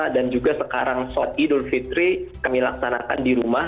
dan juga sekarang sholat idul fitri kami laksanakan di rumah